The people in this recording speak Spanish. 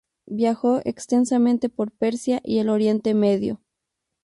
Viajó extensamente por Persia y el Oriente Medio.